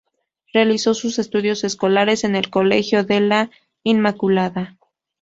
Realizó sus estudios escolares en el Colegio de la Inmaculada.